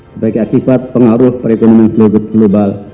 sebagai akibat pengaruh perekonomian global